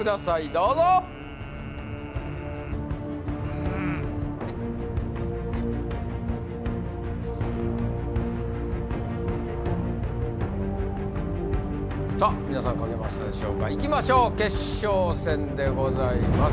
どうぞさっ皆さん書けましたでしょうかいきましょう決勝戦でございます